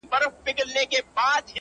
نه منمه ستا بیان ګوره چي لا څه کیږي-